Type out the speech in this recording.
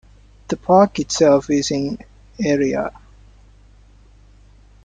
The park itself is in area.